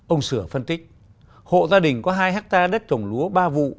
ông sửa phân tích hộ gia đình có hai hectare đất trồng lúa ba vụ